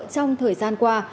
trong thời gian qua